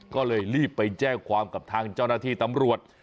ก็เลยรีบไปแจ้งความกับทางเจ้าหน้าที่ตำรวจ